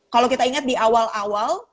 kalau kita ingat di awal awal